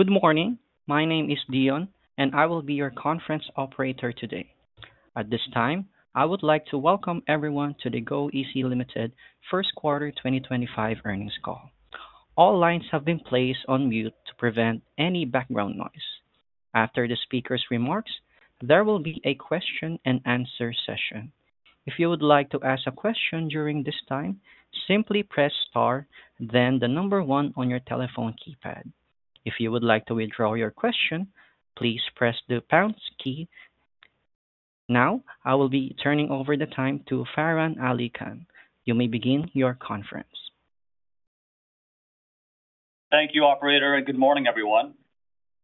Good morning. My name is Dion, and I will be your conference operator today. At this time, I would like to welcome everyone to the goeasy Limited first quarter 2025 earnings call. All lines have been placed on mute to prevent any background noise. After the speaker's remarks, there will be a question-and-answer session. If you would like to ask a question during this time, simply press star, then the number one on your telephone keypad. If you would like to withdraw your question, please press the pound key. Now, I will be turning over the time to Farhan Ali Khan. You may begin your conference. Thank you, Operator, and good morning, everyone.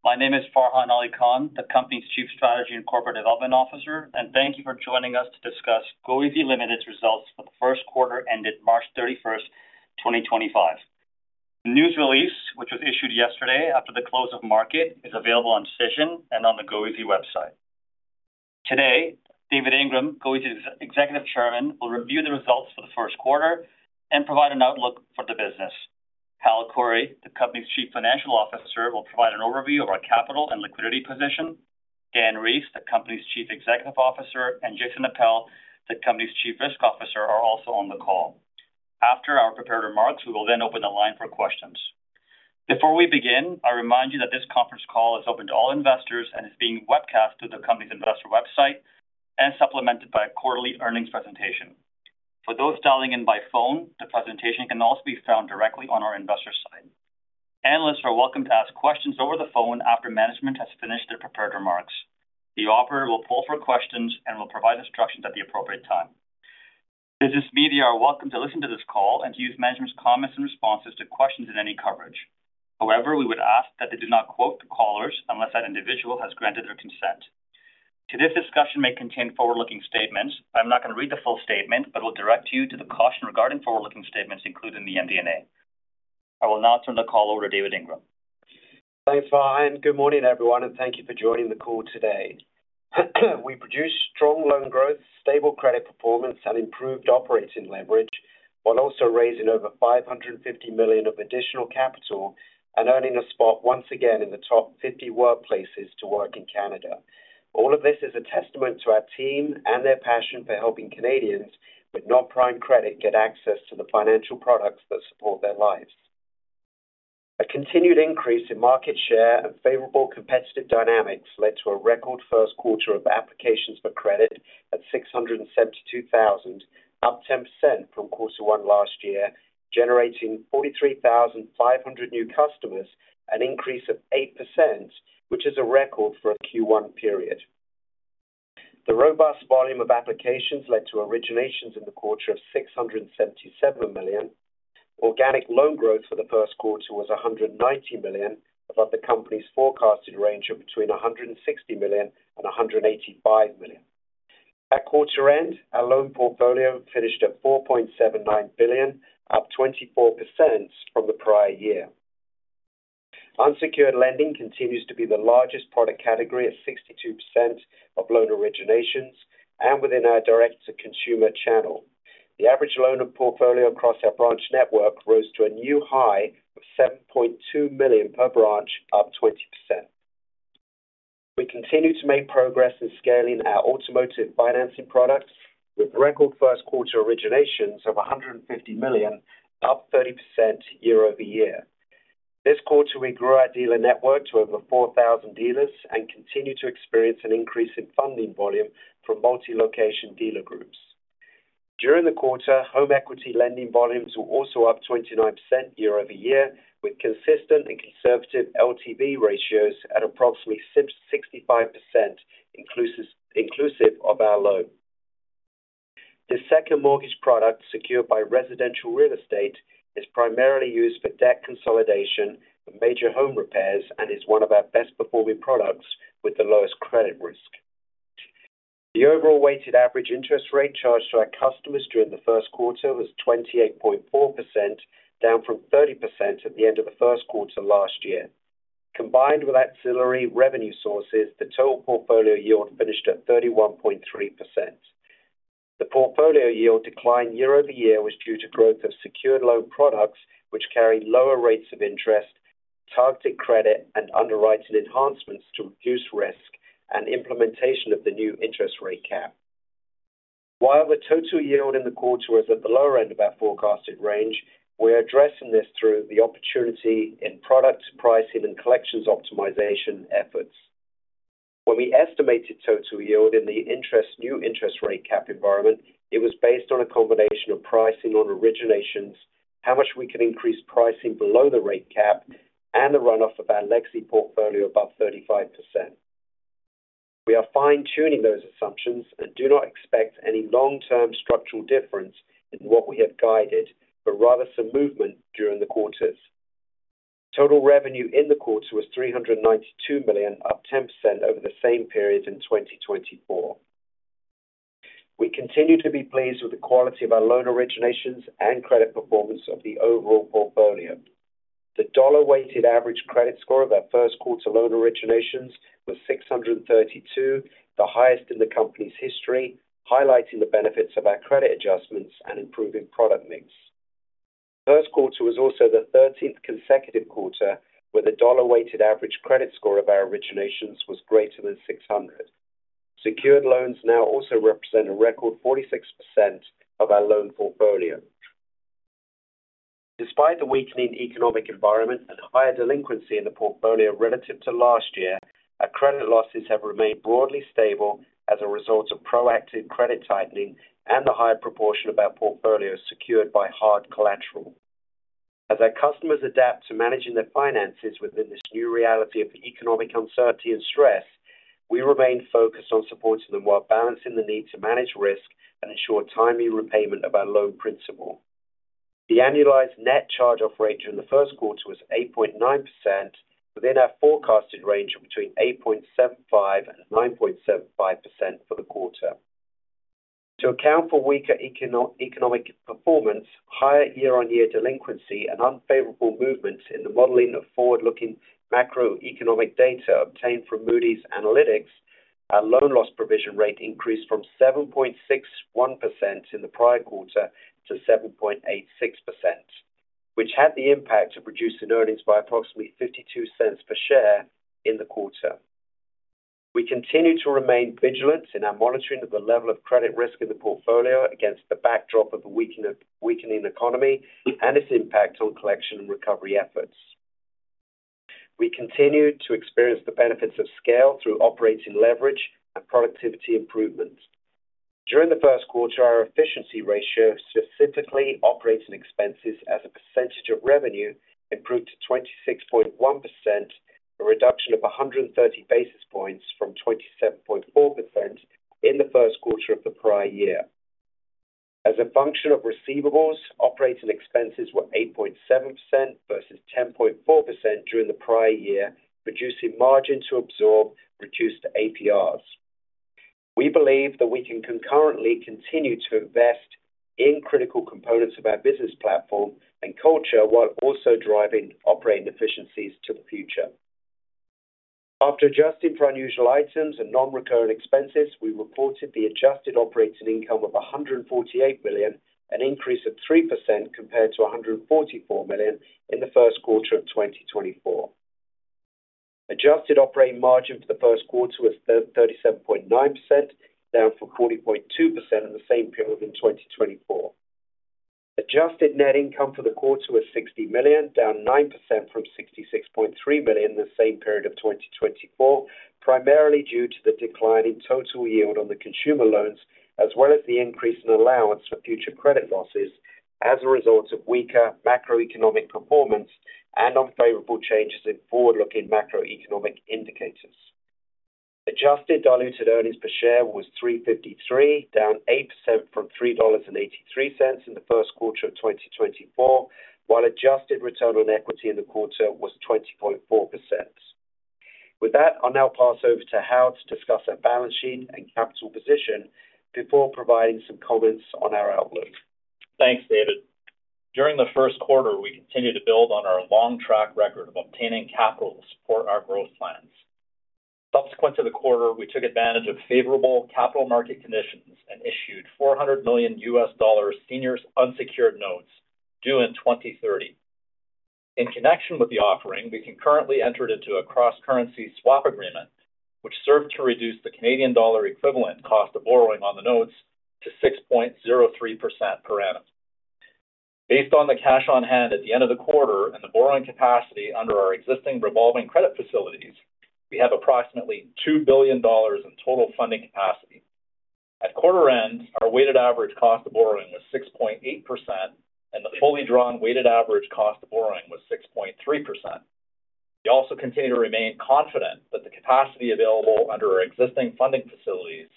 My name is Farhan Ali Khan, the company's Chief Strategy and Corporate Development Officer, and thank you for joining us to discuss goeasy Limited's results for the first quarter ended March 31, 2025. The news release, which was issued yesterday after the close of market, is available on Cision and on the goeasy website. Today, David Ingram, goeasy's Executive Chairman, will review the results for the first quarter and provide an outlook for the business. Hal Khouri, the company's Chief Financial Officer, will provide an overview of our capital and liquidity position. Dan Rees, the company's Chief Executive Officer, and Jason Appel, the company's Chief Risk Officer, are also on the call. After our prepared remarks, we will then open the line for questions. Before we begin, I remind you that this conference call is open to all investors and is being webcast through the company's investor website and supplemented by a quarterly earnings presentation. For those dialing in by phone, the presentation can also be found directly on our investor site. Analysts are welcome to ask questions over the phone after management has finished their prepared remarks. The operator will poll for questions and will provide instructions at the appropriate time. Business media are welcome to listen to this call and to use management's comments and responses to questions in any coverage. However, we would ask that they do not quote the callers unless that individual has granted their consent. Today's discussion may contain forward-looking statements. I'm not going to read the full statement, but will direct you to the caution regarding forward-looking statements included in the MD&A. I will now turn the call over to David Ingram. Thanks, Farhan. Good morning, everyone, and thank you for joining the call today. We produced strong loan growth, stable credit performance, and improved operating leverage, while also raising over 550 million of additional capital and earning a spot once again in the top 50 workplaces to work in Canada. All of this is a testament to our team and their passion for helping Canadians with non-prime credit get access to the financial products that support their lives. A continued increase in market share and favorable competitive dynamics led to a record first quarter of applications for credit at 672,000, up 10% from quarter one last year, generating 43,500 new customers, an increase of 8%, which is a record for a Q1 period. The robust volume of applications led to originations in the quarter of 677 million. Organic loan growth for the first quarter was 190 million, above the company's forecasted range of between 160 million and 185 million. At quarter end, our loan portfolio finished at 4.79 billion, up 24% from the prior year. Unsecured lending continues to be the largest product category at 62% of loan originations and within our direct-to-consumer channel. The average loan portfolio across our branch network rose to a new high of 7.2 million per branch, up 20%. We continue to make progress in scaling our automotive financing products with record first quarter originations of 150 million, up 30% year over year. This quarter, we grew our dealer network to over 4,000 dealers and continue to experience an increase in funding volume from multi-location dealer groups. During the quarter, home equity lending volumes were also up 29% year over year, with consistent and conservative LTV ratios at approximately 65% inclusive of our loan. The second mortgage product secured by residential real estate is primarily used for debt consolidation and major home repairs and is one of our best-performing products with the lowest credit risk. The overall weighted average interest rate charged to our customers during the first quarter was 28.4%, down from 30% at the end of the first quarter last year. Combined with auxiliary revenue sources, the total portfolio yield finished at 31.3%. The portfolio yield decline year over year was due to growth of secured loan products, which carry lower rates of interest, targeted credit, and underwriting enhancements to reduce risk and implementation of the new interest rate cap. While the total yield in the quarter was at the lower end of our forecasted range, we're addressing this through the opportunity in product pricing and collections optimization efforts. When we estimated total yield in the new interest rate cap environment, it was based on a combination of pricing on originations, how much we can increase pricing below the rate cap, and the run-off of our legacy portfolio above 35%. We are fine-tuning those assumptions and do not expect any long-term structural difference in what we have guided, but rather some movement during the quarters. Total revenue in the quarter was 392 million, up 10% over the same period in 2023. We continue to be pleased with the quality of our loan originations and credit performance of the overall portfolio. The dollar-weighted average credit score of our first quarter loan originations was 632, the highest in the company's history, highlighting the benefits of our credit adjustments and improving product mix. The first quarter was also the 13th consecutive quarter where the dollar-weighted average credit score of our originations was greater than 600. Secured loans now also represent a record 46% of our loan portfolio. Despite the weakening economic environment and higher delinquency in the portfolio relative to last year, our credit losses have remained broadly stable as a result of proactive credit tightening and the higher proportion of our portfolio secured by hard collateral. As our customers adapt to managing their finances within this new reality of economic uncertainty and stress, we remain focused on supporting them while balancing the need to manage risk and ensure timely repayment of our loan principal. The annualized net charge-off rate during the first quarter was 8.9%, within our forecasted range of between 8.75-9.75% for the quarter. To account for weaker economic performance, higher year-on-year delinquency, and unfavorable movements in the modeling of forward-looking macroeconomic data obtained from Moody's Analytics, our loan loss provision rate increased from 7.61% in the prior quarter to 7.86%, which had the impact of reducing earnings by approximately 0.52 per share in the quarter. We continue to remain vigilant in our monitoring of the level of credit risk in the portfolio against the backdrop of a weakening economy and its impact on collection and recovery efforts. We continue to experience the benefits of scale through operating leverage and productivity improvement. During the first quarter, our efficiency ratio, specifically operating expenses as a percentage of revenue, improved to 26.1%, a reduction of 130 basis points from 27.4% in the first quarter of the prior year. As a function of receivables, operating expenses were 8.7% versus 10.4% during the prior year, reducing margin to absorb reduced APRs. We believe that we can concurrently continue to invest in critical components of our business platform and culture while also driving operating efficiencies to the future. After adjusting for unusual items and non-recurring expenses, we reported the adjusted operating income of 148 million, an increase of 3% compared to 144 million in the first quarter of 2024. Adjusted operating margin for the first quarter was 37.9%, down from 40.2% in the same period in 2024. Adjusted net income for the quarter was 60 million, down 9% from 66.3 million in the same period of 2024, primarily due to the decline in total yield on the consumer loans, as well as the increase in allowance for future credit losses as a result of weaker macroeconomic performance and unfavorable changes in forward-looking macroeconomic indicators. Adjusted diluted earnings per share was 3.53, down 8% from 3.83 dollars in the first quarter of 2024, while adjusted return on equity in the quarter was 20.4%. With that, I'll now pass over to Hal to discuss our balance sheet and capital position before providing some comments on our outlook. Thanks, David. During the first quarter, we continued to build on our long track record of obtaining capital to support our growth plans. Subsequent to the quarter, we took advantage of favorable capital market conditions and issued $400 million senior unsecured notes due in 2030. In connection with the offering, we concurrently entered into a cross-currency swap agreement, which served to reduce the CAD equivalent cost of borrowing on the notes to 6.03% per annum. Based on the cash on hand at the end of the quarter and the borrowing capacity under our existing revolving credit facilities, we have approximately 2 billion dollars in total funding capacity. At quarter end, our weighted average cost of borrowing was 6.8%, and the fully drawn weighted average cost of borrowing was 6.3%. We also continue to remain confident that the capacity available under our existing funding facilities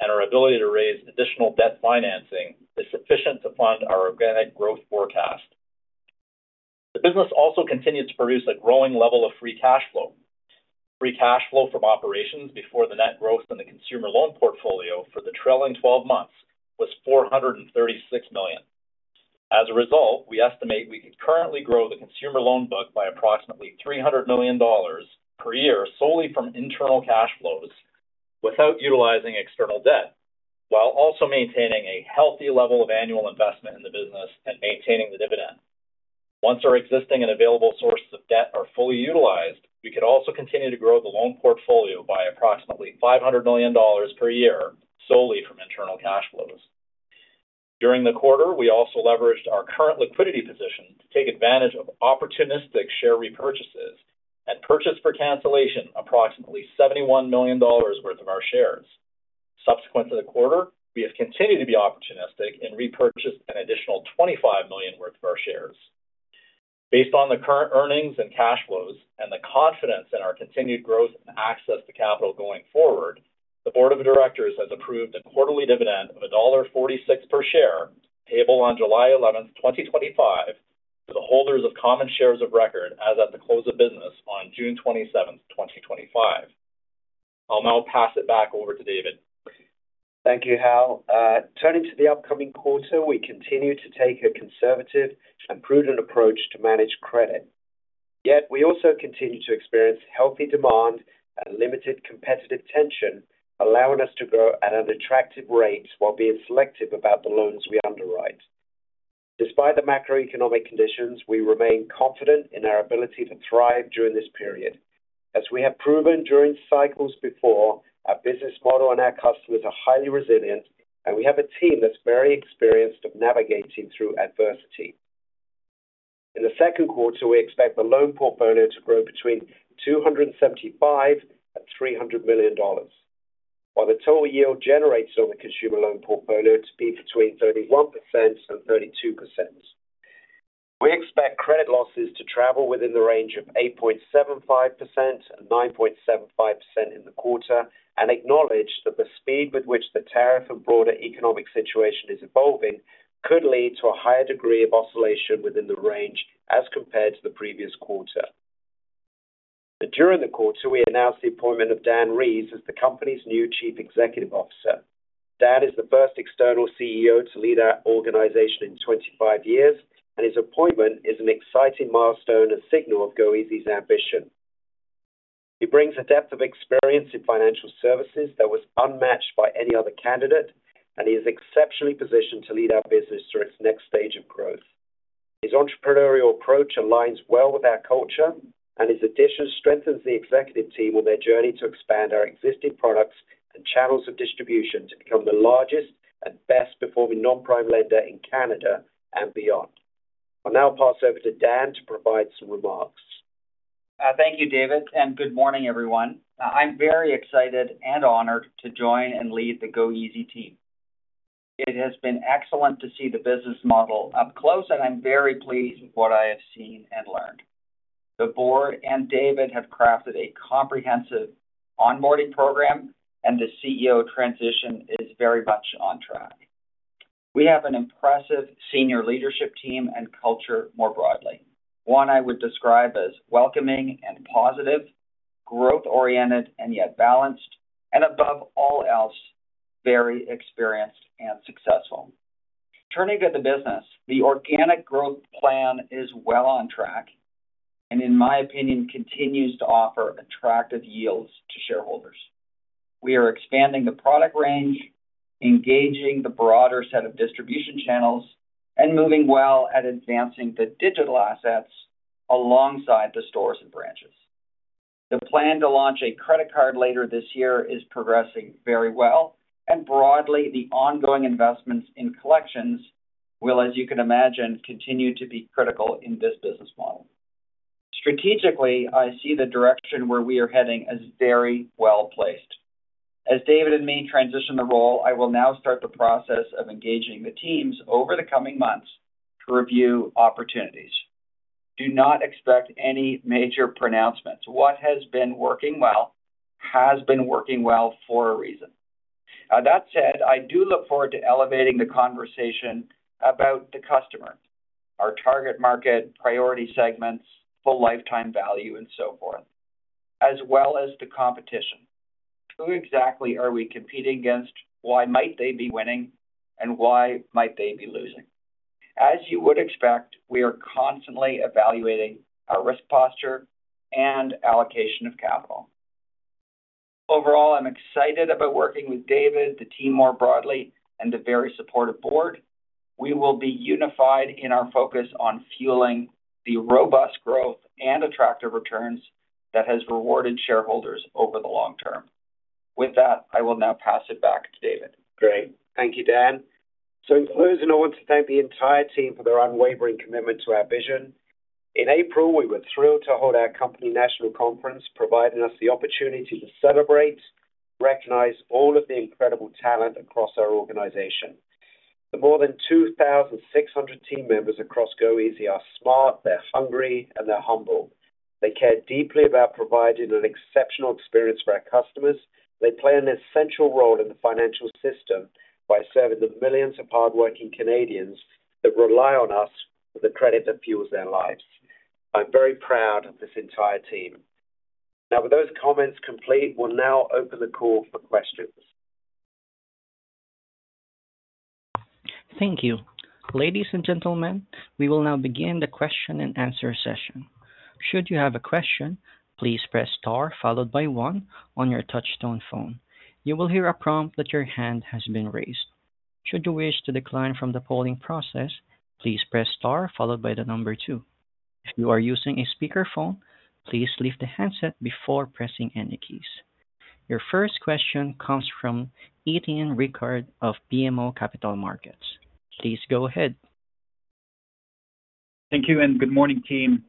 and our ability to raise additional debt financing is sufficient to fund our organic growth forecast. The business also continues to produce a growing level of free cash flow. Free cash flow from operations before the net growth in the consumer loan portfolio for the trailing 12 months was 436 million. As a result, we estimate we could currently grow the consumer loan book by approximately 300 million dollars per year solely from internal cash flows without utilizing external debt, while also maintaining a healthy level of annual investment in the business and maintaining the dividend. Once our existing and available sources of debt are fully utilized, we could also continue to grow the loan portfolio by approximately 500 million dollars per year solely from internal cash flows. During the quarter, we also leveraged our current liquidity position to take advantage of opportunistic share repurchases and purchased for cancellation approximately 71 million dollars worth of our shares. Subsequent to the quarter, we have continued to be opportunistic and repurchased an additional 25 million worth of our shares. Based on the current earnings and cash flows and the confidence in our continued growth and access to capital going forward, the board of directors has approved a quarterly dividend of dollar 1.46 per share payable on July 11, 2025, to the holders of common shares of record as at the close of business on June 27, 2025. I'll now pass it back over to David. Thank you, Hal. Turning to the upcoming quarter, we continue to take a conservative and prudent approach to manage credit. Yet, we also continue to experience healthy demand and limited competitive tension, allowing us to grow at an attractive rate while being selective about the loans we underwrite. Despite the macroeconomic conditions, we remain confident in our ability to thrive during this period. As we have proven during cycles before, our business model and our customers are highly resilient, and we have a team that's very experienced at navigating through adversity. In the second quarter, we expect the loan portfolio to grow between 275 million and 300 million dollars, while the total yield generated on the consumer loan portfolio to be between 31% and 32%. We expect credit losses to travel within the range of 8.75%-9.75% in the quarter and acknowledge that the speed with which the tariff and broader economic situation is evolving could lead to a higher degree of oscillation within the range as compared to the previous quarter. During the quarter, we announced the appointment of Dan Rees as the company's new Chief Executive Officer. Dan is the first external CEO to lead our organization in 25 years, and his appointment is an exciting milestone and signal of goeasy's ambition. He brings a depth of experience in financial services that was unmatched by any other candidate, and he is exceptionally positioned to lead our business through its next stage of growth. His entrepreneurial approach aligns well with our culture, and his addition strengthens the executive team on their journey to expand our existing products and channels of distribution to become the largest and best-performing non-prime lender in Canada and beyond. I'll now pass over to Dan to provide some remarks. Thank you, David, and good morning, everyone. I'm very excited and honored to join and lead the goeasy team. It has been excellent to see the business model up close, and I'm very pleased with what I have seen and learned. The board and David have crafted a comprehensive onboarding program, and the CEO transition is very much on track. We have an impressive senior leadership team and culture more broadly, one I would describe as welcoming and positive, growth-oriented and yet balanced, and above all else, very experienced and successful. Turning to the business, the organic growth plan is well on track and, in my opinion, continues to offer attractive yields to shareholders. We are expanding the product range, engaging the broader set of distribution channels, and moving well at advancing the digital assets alongside the stores and branches. The plan to launch a credit card later this year is progressing very well, and broadly, the ongoing investments in collections will, as you can imagine, continue to be critical in this business model. Strategically, I see the direction where we are heading as very well placed. As David and I transition the role, I will now start the process of engaging the teams over the coming months to review opportunities. Do not expect any major pronouncements. What has been working well has been working well for a reason. That said, I do look forward to elevating the conversation about the customer, our target market, priority segments, full lifetime value, and so forth, as well as the competition. Who exactly are we competing against? Why might they be winning, and why might they be losing? As you would expect, we are constantly evaluating our risk posture and allocation of capital. Overall, I'm excited about working with David, the team more broadly, and the very supportive board. We will be unified in our focus on fueling the robust growth and attractive returns that has rewarded shareholders over the long term. With that, I will now pass it back to David. Great. Thank you, Dan. In closing, I want to thank the entire team for their unwavering commitment to our vision. In April, we were thrilled to hold our company national conference, providing us the opportunity to celebrate and recognize all of the incredible talent across our organization. The more than 2,600 team members across Goeasy are smart, they're hungry, and they're humble. They care deeply about providing an exceptional experience for our customers. They play an essential role in the financial system by serving the millions of hardworking Canadians that rely on us with the credit that fuels their lives. I'm very proud of this entire team. Now, with those comments complete, we'll now open the call for questions. Thank you. Ladies and gentlemen, we will now begin the question and answer session. Should you have a question, please press star followed by one on your touch-tone phone. You will hear a prompt that your hand has been raised. Should you wish to decline from the polling process, please press star followed by the number two. If you are using a speakerphone, please lift the handset before pressing any keys. Your first question comes from Étienne Ricard of BMO Capital Markets. Please go ahead. Thank you and good morning, team.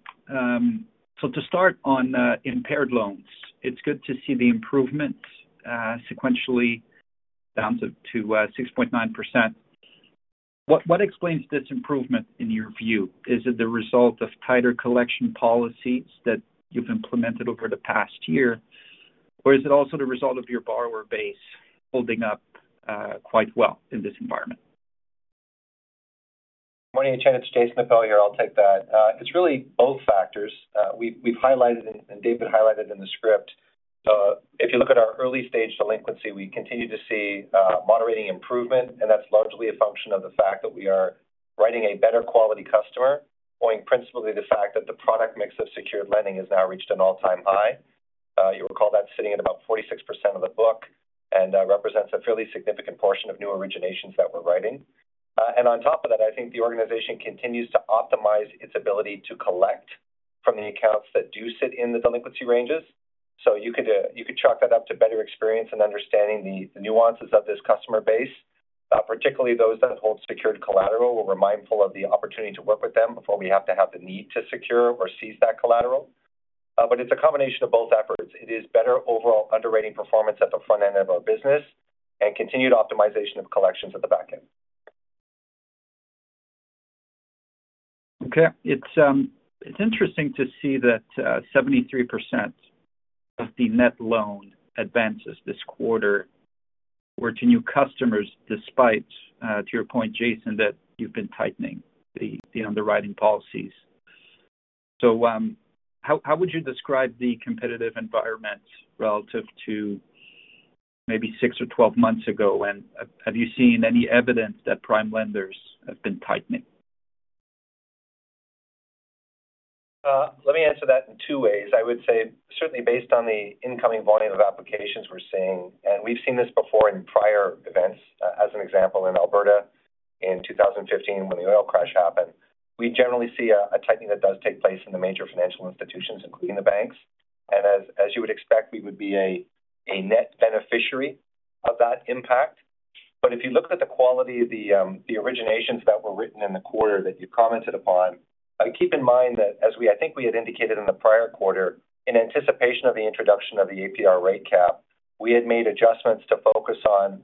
To start on impaired loans, it's good to see the improvement sequentially down to 6.9%. What explains this improvement in your view? Is it the result of tighter collection policies that you've implemented over the past year, or is it also the result of your borrower base holding up quite well in this environment? Morning, Étienne. It's Jason Appel here. I'll take that. It's really both factors. We've highlighted, and David highlighted in the script, if you look at our early stage delinquency, we continue to see moderating improvement, and that's largely a function of the fact that we are writing a better quality customer, owing principally to the fact that the product mix of secured lending has now reached an all-time high. You'll recall that's sitting at about 46% of the book and represents a fairly significant portion of new originations that we're writing. On top of that, I think the organization continues to optimize its ability to collect from the accounts that do sit in the delinquency ranges. You could chalk that up to better experience and understanding the nuances of this customer base, particularly those that hold secured collateral. We're mindful of the opportunity to work with them before we have to have the need to secure or seize that collateral. It is a combination of both efforts. It is better overall underwriting performance at the front end of our business and continued optimization of collections at the back end. Okay. It's interesting to see that 73% of the net loan advances this quarter were to new customers despite, to your point, Jason, that you've been tightening the underwriting policies. How would you describe the competitive environment relative to maybe 6 or 12 months ago? Have you seen any evidence that prime lenders have been tightening? Let me answer that in two ways. I would say certainly based on the incoming volume of applications we're seeing, and we've seen this before in prior events. As an example, in Alberta in 2015, when the oil crash happened, we generally see a tightening that does take place in the major financial institutions, including the banks. As you would expect, we would be a net beneficiary of that impact. If you look at the quality of the originations that were written in the quarter that you commented upon, keep in mind that, as I think we had indicated in the prior quarter, in anticipation of the introduction of the APR rate cap, we had made adjustments to focus on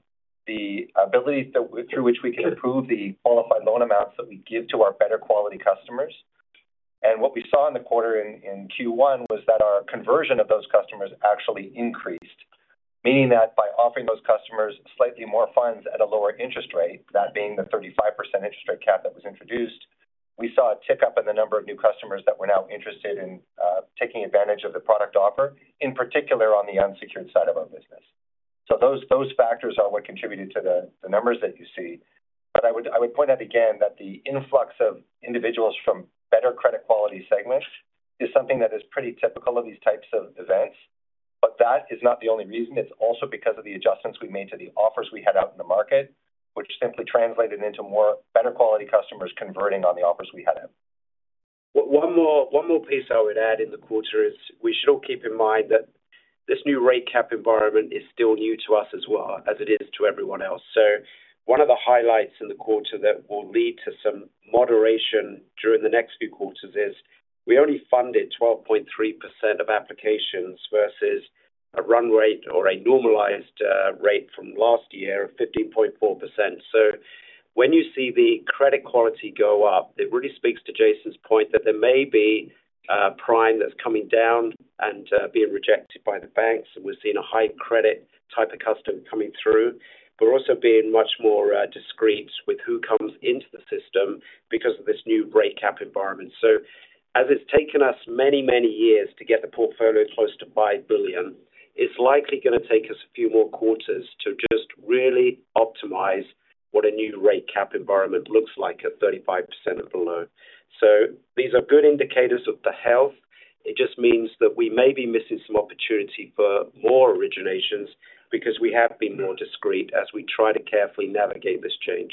the ability through which we could improve the qualified loan amounts that we give to our better quality customers. What we saw in the quarter in Q1 was that our conversion of those customers actually increased, meaning that by offering those customers slightly more funds at a lower interest rate, that being the 35% interest rate cap that was introduced, we saw a tick up in the number of new customers that were now interested in taking advantage of the product offer, in particular on the unsecured side of our business. Those factors are what contributed to the numbers that you see. I would point out again that the influx of individuals from better credit quality segments is something that is pretty typical of these types of events. That is not the only reason. It's also because of the adjustments we made to the offers we had out in the market, which simply translated into more better quality customers converting on the offers we had out. One more piece I would add in the quarter is we should all keep in mind that this new rate cap environment is still new to us as well as it is to everyone else. One of the highlights in the quarter that will lead to some moderation during the next few quarters is we only funded 12.3% of applications versus a run rate or a normalized rate from last year of 15.4%. When you see the credit quality go up, it really speaks to Jason's point that there may be prime that's coming down and being rejected by the banks. We are seeing a high credit type of customer coming through. We are also being much more discreet with who comes into the system because of this new rate cap environment. As it's taken us many, many years to get the portfolio close to 5 billion, it's likely going to take us a few more quarters to just really optimize what a new rate cap environment looks like at 35% of the loan. These are good indicators of the health. It just means that we may be missing some opportunity for more originations because we have been more discreet as we try to carefully navigate this change.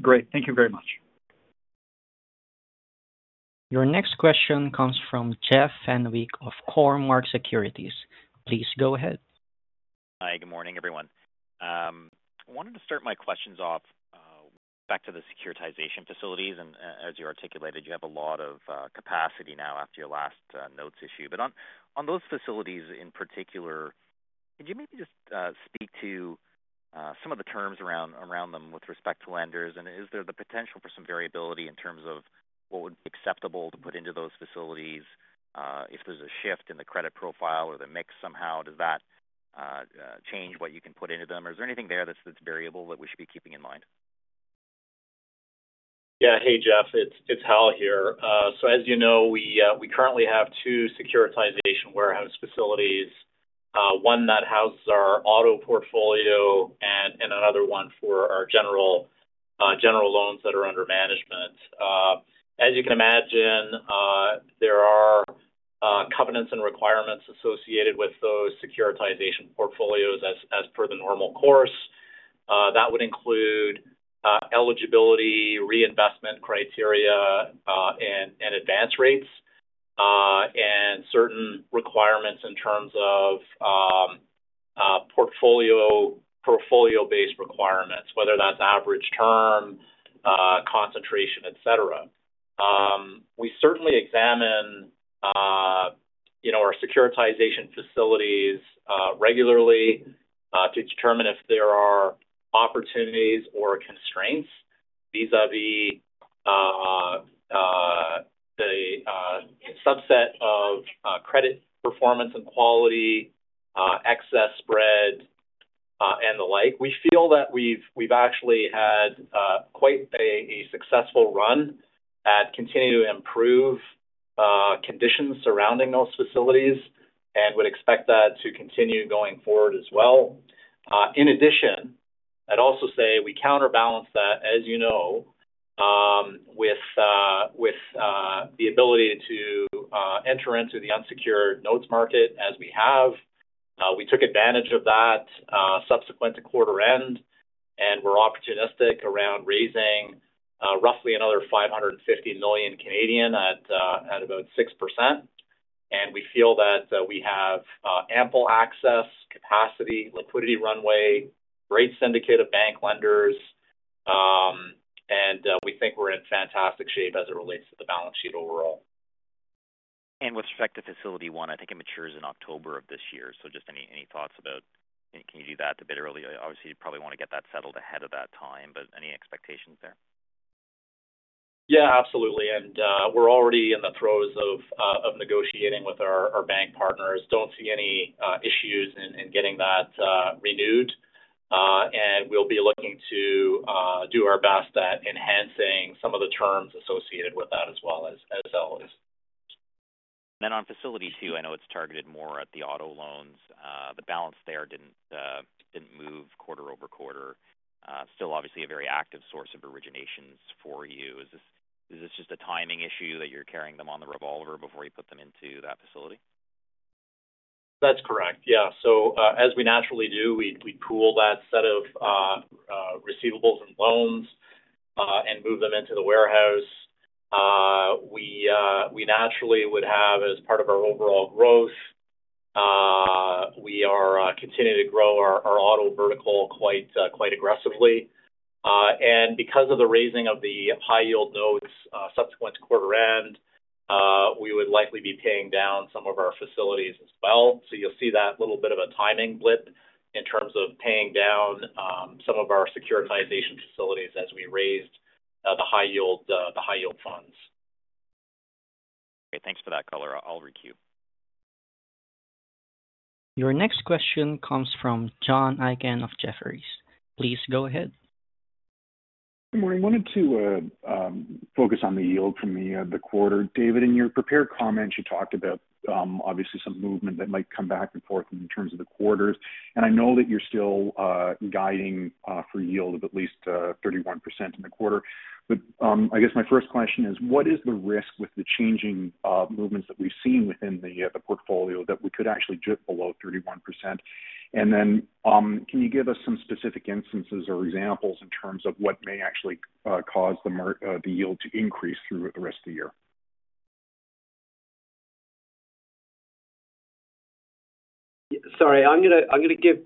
Great. Thank you very much. Your next question comes from Jeff Fenwick of Cormark Securities. Please go ahead. Hi, good morning, everyone. I wanted to start my questions off back to the securitization facilities. As you articulated, you have a lot of capacity now after your last notes issue. On those facilities in particular, could you maybe just speak to some of the terms around them with respect to lenders? Is there the potential for some variability in terms of what would be acceptable to put into those facilities? If there is a shift in the credit profile or the mix somehow, does that change what you can put into them? Is there anything there that is variable that we should be keeping in mind? Yeah. Hey, Jeff. It's Hal here. As you know, we currently have two securitization warehouse facilities, one that houses our auto portfolio and another one for our general loans that are under management. As you can imagine, there are covenants and requirements associated with those securitization portfolios as per the normal course. That would include eligibility, reinvestment criteria, and advance rates, and certain requirements in terms of portfolio-based requirements, whether that's average term, concentration, etc. We certainly examine our securitization facilities regularly to determine if there are opportunities or constraints vis-à-vis the subset of credit performance and quality, excess spread, and the like. We feel that we've actually had quite a successful run at continuing to improve conditions surrounding those facilities and would expect that to continue going forward as well. In addition, I'd also say we counterbalance that, as you know, with the ability to enter into the unsecured notes market as we have. We took advantage of that subsequent to quarter end, and we're opportunistic around raising roughly another 550 million at about 6%. We feel that we have ample access, capacity, liquidity runway, great syndicate of bank lenders, and we think we're in fantastic shape as it relates to the balance sheet overall. With respect to facility one, I think it matures in October of this year. Just any thoughts about can you do that a bit early? Obviously, you'd probably want to get that settled ahead of that time, but any expectations there? Yeah, absolutely. We are already in the throes of negotiating with our bank partners. Do not see any issues in getting that renewed. We will be looking to do our best at enhancing some of the terms associated with that as well as always. On facility two, I know it's targeted more at the auto loans. The balance there didn't move quarter over quarter. Still, obviously, a very active source of originations for you. Is this just a timing issue that you're carrying them on the revolver before you put them into that facility? That's correct. Yeah. As we naturally do, we pool that set of receivables and loans and move them into the warehouse. We naturally would have, as part of our overall growth, we are continuing to grow our auto vertical quite aggressively. Because of the raising of the high-yield notes subsequent to quarter end, we would likely be paying down some of our facilities as well. You'll see that little bit of a timing blip in terms of paying down some of our securitization facilities as we raised the high-yield funds. Great. Thanks for that, Khouri. I'll requeue. Your next question comes from John Aiken of Jefferies. Please go ahead. Good morning. I wanted to focus on the yield from the quarter. David, in your prepared comments, you talked about, obviously, some movement that might come back and forth in terms of the quarters. I know that you're still guiding for yield of at least 31% in the quarter. I guess my first question is, what is the risk with the changing movements that we've seen within the portfolio that we could actually dip below 31%? Can you give us some specific instances or examples in terms of what may actually cause the yield to increase through the rest of the year? Sorry. I'm going to give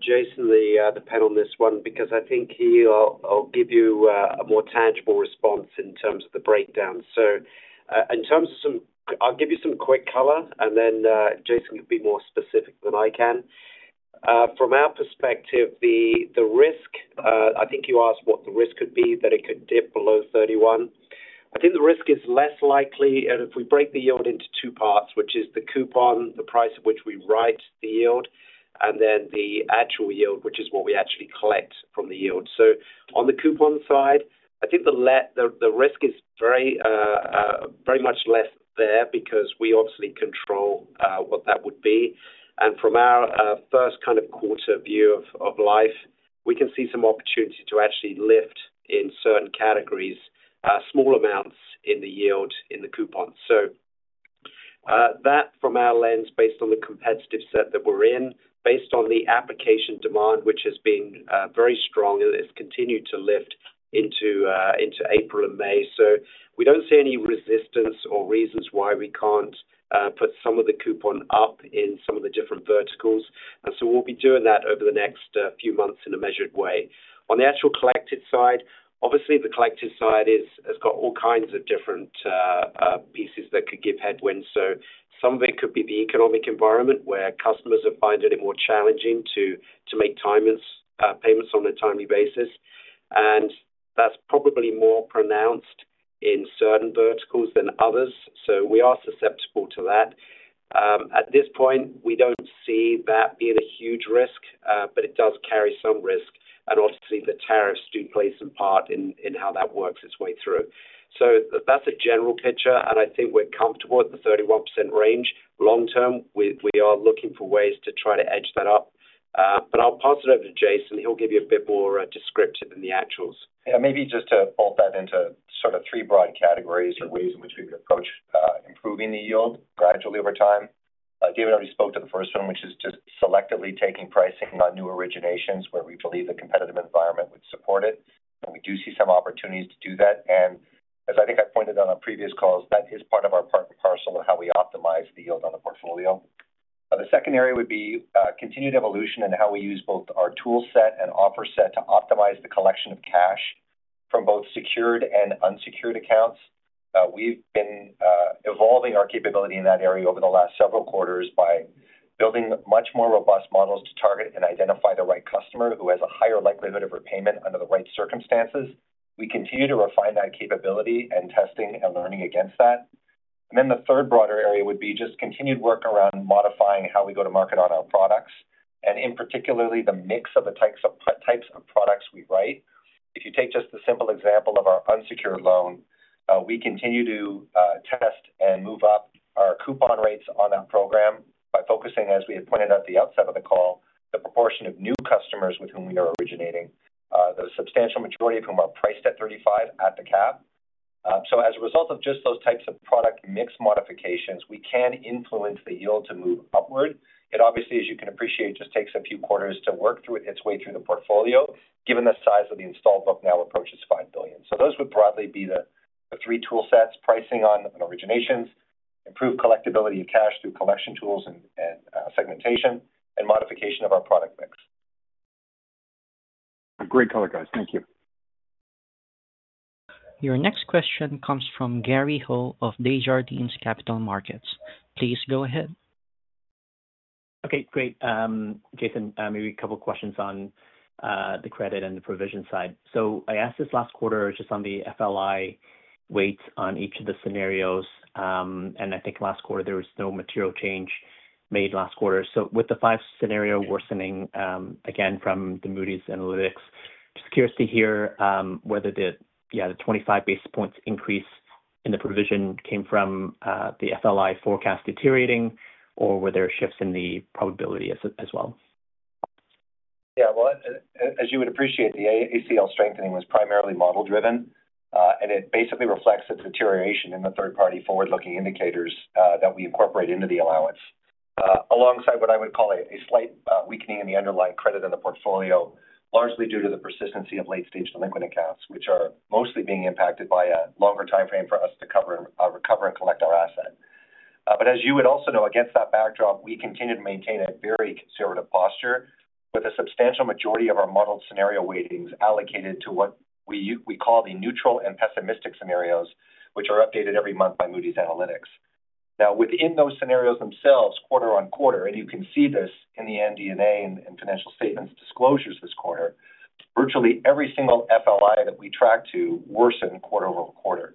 Jason the pen on this one because I think he'll give you a more tangible response in terms of the breakdown. In terms of some, I'll give you some quick color, and then Jason could be more specific than I can. From our perspective, the risk, I think you asked what the risk could be that it could dip below 31. I think the risk is less likely if we break the yield into two parts, which is the coupon, the price at which we write the yield, and then the actual yield, which is what we actually collect from the yield. On the coupon side, I think the risk is very much less there because we obviously control what that would be. From our first kind of quarter view of life, we can see some opportunity to actually lift in certain categories, small amounts in the yield in the coupon. That from our lens, based on the competitive set that we're in, based on the application demand, which has been very strong and has continued to lift into April and May, we do not see any resistance or reasons why we cannot put some of the coupon up in some of the different verticals. We will be doing that over the next few months in a measured way. On the actual collected side, obviously, the collected side has got all kinds of different pieces that could give headwinds. Some of it could be the economic environment where customers are finding it more challenging to make payments on a timely basis. That is probably more pronounced in certain verticals than others. We are susceptible to that. At this point, we do not see that being a huge risk, but it does carry some risk. Obviously, the tariffs do play some part in how that works its way through. That is a general picture. I think we are comfortable at the 31% range. Long term, we are looking for ways to try to edge that up. I will pass it over to Jason. He will give you a bit more descriptive than the actuals. Yeah. Maybe just to bolt that into sort of three broad categories or ways in which we would approach improving the yield gradually over time. David already spoke to the first one, which is just selectively taking pricing on new originations where we believe the competitive environment would support it. We do see some opportunities to do that. As I think I pointed out on previous calls, that is part and parcel of how we optimize the yield on the portfolio. The second area would be continued evolution in how we use both our tool set and offer set to optimize the collection of cash from both secured and unsecured accounts. We've been evolving our capability in that area over the last several quarters by building much more robust models to target and identify the right customer who has a higher likelihood of repayment under the right circumstances. We continue to refine that capability and testing and learning against that. The third broader area would be just continued work around modifying how we go to market on our products and, in particular, the mix of the types of products we write. If you take just the simple example of our unsecured loan, we continue to test and move up our coupon rates on that program by focusing, as we had pointed out at the outset of the call, the proportion of new customers with whom we are originating, the substantial majority of whom are priced at 35% at the cap. As a result of just those types of product mix modifications, we can influence the yield to move upward. It obviously, as you can appreciate, just takes a few quarters to work through its way through the portfolio, given the size of the installed book now approaches 5 billion. Those would broadly be the three tool sets: pricing on originations, improved collectibility of cash through collection tools and segmentation, and modification of our product mix. Great color, guys. Thank you. Your next question comes from Gary Ho of Desjardins Capital Markets. Please go ahead. Okay. Great. Jason, maybe a couple of questions on the credit and the provision side. I asked this last quarter just on the FLI weights on each of the scenarios. I think last quarter, there was no material change made last quarter. With the five scenario worsening again from the Moody's Analytics, just curious to hear whether the 25 basis points increase in the provision came from the FLI forecast deteriorating or were there shifts in the probability as well? Yeah. As you would appreciate, the ACL strengthening was primarily model-driven. It basically reflects the deterioration in the third-party forward-looking indicators that we incorporate into the allowance, alongside what I would call a slight weakening in the underlying credit in the portfolio, largely due to the persistency of late-stage delinquent accounts, which are mostly being impacted by a longer timeframe for us to cover and recover and collect our asset. As you would also know, against that backdrop, we continue to maintain a very conservative posture with a substantial majority of our modeled scenario weightings allocated to what we call the neutral and pessimistic scenarios, which are updated every month by Moody's Analytics. Now, within those scenarios themselves, quarter on quarter, and you can see this in the MD&A and financial statements disclosures this quarter, virtually every single FLI that we track to worsened quarter over quarter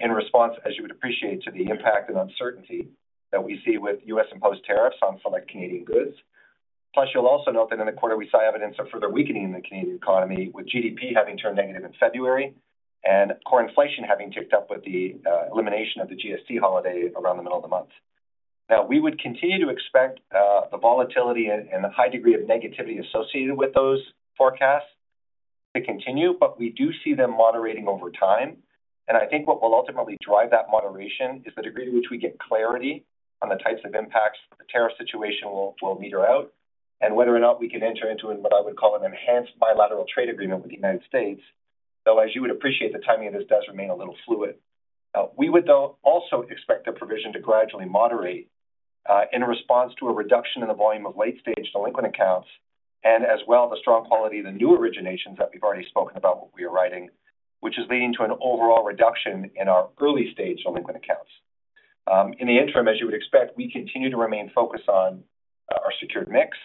in response, as you would appreciate, to the impact and uncertainty that we see with U.S. imposed tariffs on select Canadian goods. Plus, you'll also note that in the quarter, we saw evidence of further weakening in the Canadian economy, with GDP having turned negative in February and core inflation having ticked up with the elimination of the GST holiday around the middle of the month. Now, we would continue to expect the volatility and the high degree of negativity associated with those forecasts to continue, but we do see them moderating over time. I think what will ultimately drive that moderation is the degree to which we get clarity on the types of impacts that the tariff situation will meter out and whether or not we can enter into what I would call an enhanced bilateral trade agreement with the United States. Though, as you would appreciate, the timing of this does remain a little fluid. We would, though, also expect the provision to gradually moderate in response to a reduction in the volume of late-stage delinquent accounts and as well the strong quality of the new originations that we have already spoken about what we are writing, which is leading to an overall reduction in our early-stage delinquent accounts. In the interim, as you would expect, we continue to remain focused on our secured mix,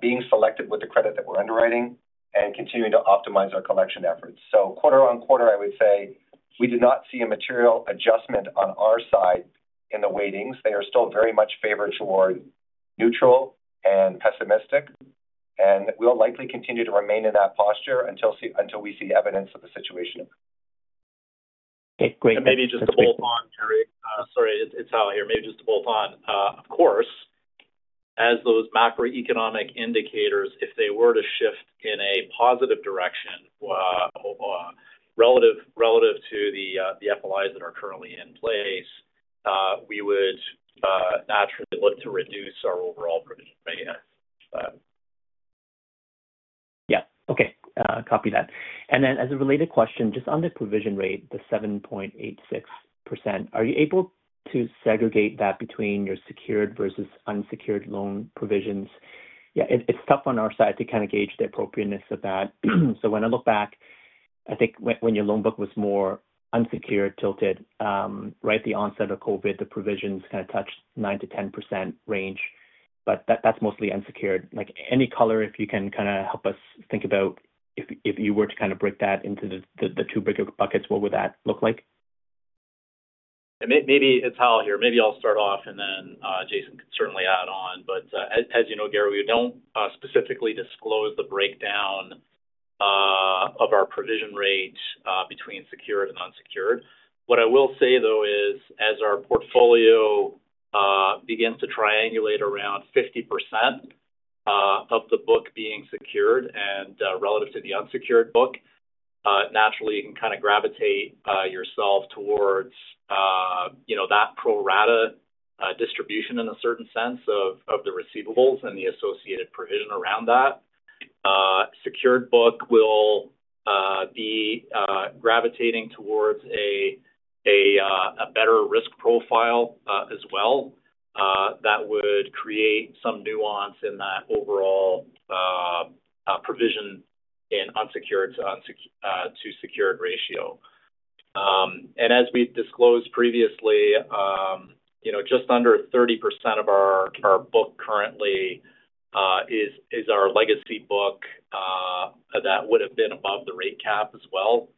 being selective with the credit that we are underwriting, and continuing to optimize our collection efforts. Quarter on quarter, I would say we did not see a material adjustment on our side in the weightings. They are still very much favored toward neutral and pessimistic. We'll likely continue to remain in that posture until we see evidence of the situation. Sorry, it's Hal here. Maybe just to bolt on. Of course, as those macroeconomic indicators, if they were to shift in a positive direction relative to the FLIs that are currently in place, we would naturally look to reduce our overall provision rate. Yeah. Okay. Copy that. As a related question, just on the provision rate, the 7.86%, are you able to segregate that between your secured versus unsecured loan provisions? Yeah. It's tough on our side to kind of gauge the appropriateness of that. When I look back, I think when your loan book was more unsecured tilted, right at the onset of COVID, the provisions kind of touched 9-10% range. That's mostly unsecured. Any color, if you can kind of help us think about if you were to break that into the two bigger buckets, what would that look like? Maybe it's Hal here. Maybe I'll start off, and then Jason could certainly add on. As you know, Gary, we don't specifically disclose the breakdown of our provision rate between secured and unsecured. What I will say, though, is as our portfolio begins to triangulate around 50% of the book being secured and relative to the unsecured book, naturally, you can kind of gravitate yourself towards that pro rata distribution in a certain sense of the receivables and the associated provision around that. Secured book will be gravitating towards a better risk profile as well. That would create some nuance in that overall provision and unsecured to secured ratio. As we disclosed previously, just under 30% of our book currently is our legacy book that would have been above the rate cap as well.